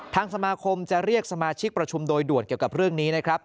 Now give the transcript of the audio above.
ทางสมาคมจะเรียกสมาชิกประชุมโดยด่วนเกี่ยวกับเรื่องนี้นะครับ